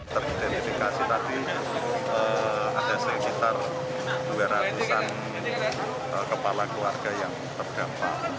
teridentifikasi tadi ada sekitar dua ratus an kepala keluarga yang terdampak